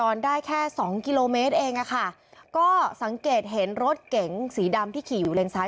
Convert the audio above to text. ได้แค่สองกิโลเมตรเองอะค่ะก็สังเกตเห็นรถเก๋งสีดำที่ขี่อยู่เลนซ้าย